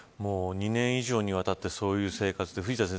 ２年以上にわたってそういう生活、藤田さん